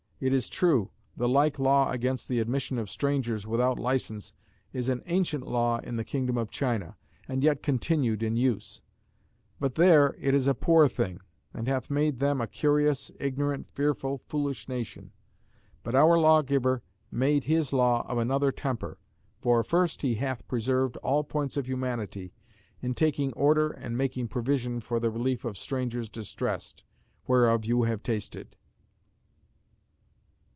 It is true, the like law against the admission of strangers without licence is an ancient law in the kingdom of China, and yet continued in use. But there it is a poor thing; and hath made them a curious, ignorant, fearful, foolish nation. But our lawgiver made his law of another temper. For first, he hath preserved all points of humanity, in taking order and making provision for the relief of strangers distressed; whereof you have tasted."